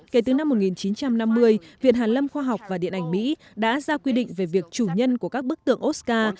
kể từ năm một nghìn chín trăm năm mươi viện hàn lâm khoa học và điện ảnh mỹ đã ra quy định về việc chủ nhân của các bức tượng oscar